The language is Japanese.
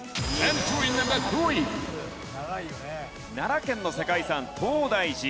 奈良県の世界遺産東大寺。